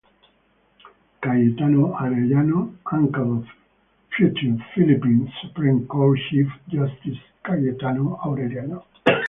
Cayetano Arellano, uncle of future Philippine Supreme Court Chief Justice Cayetano Arellano.